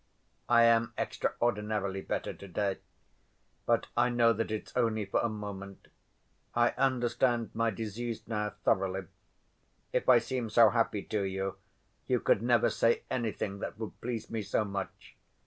"I am extraordinarily better to‐day. But I know that it's only for a moment. I understand my disease now thoroughly. If I seem so happy to you, you could never say anything that would please me so much.